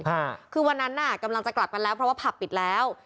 อ่าคือวันนั้นน่ะกำลังจะกลับกันแล้วเพราะว่าผับปิดแล้ว